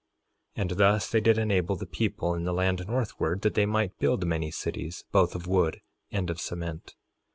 3:11 And thus they did enable the people in the land northward that they might build many cities, both of wood and of cement.